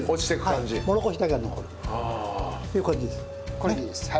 これでいいですか？